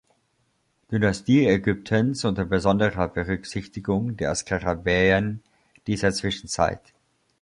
Dynastie Ägyptens unter besonderer Berücksichtigung der Skarabäen dieser Zwischenzeit".